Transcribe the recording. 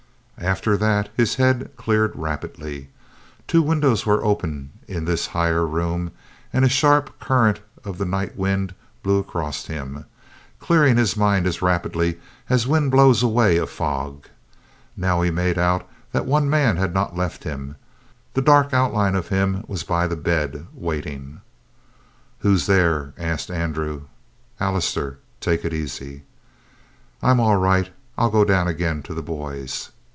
After that his head cleared rapidly. Two windows were open in this higher room, and a sharp current of the night wind blew across him, clearing his mind as rapidly as wind blows away a fog. Now he made out that one man had not left him; the dark outline of him was by the bed, waiting. "Who's there?" asked Andrew. "Allister. Take it easy." "I'm all right. I'll go down again to the boys."